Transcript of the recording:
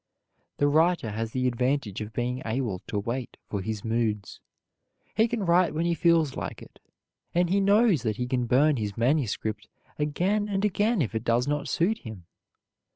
The writer has the advantage of being able to wait for his moods. He can write when he feels like it; and he knows that he can burn his manuscript again and again if it does not suit him.